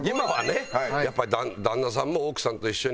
やっぱり旦那さんも奥さんと一緒にお料理をやって。